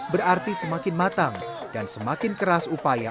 berarti semakin matang dan semakin keras upaya